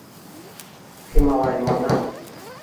Himolay monand.